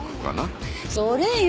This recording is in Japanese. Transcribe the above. それよ。